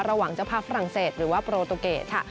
ระหว่างเจ้าภาพฝรั่งเศสหรือว่าโปรตูเกตค่ะ